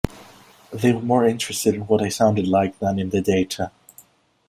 They were more interested in what I sounded like than in the data!